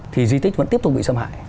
thì di tích vẫn tiếp tục bị xâm hại